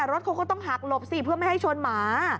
รถเขาก็ต้องหักหลบสิเพื่อไม่ให้ชนหมา